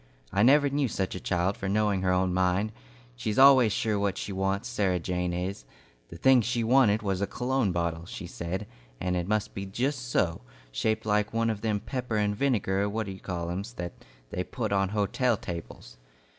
I never knew such a child for knowing her own mind. She's always sure what she wants, Sarah Jane is. The thing she wanted was a cologne bottle, she said, and it must be just so, shaped like one of them pepper and vinegar what d' you call em's, that they put on hotel tables.